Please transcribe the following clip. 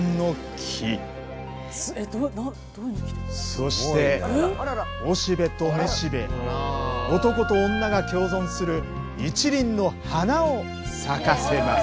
そしておしべとめしべ男と女が共存する一輪の花を咲かせます。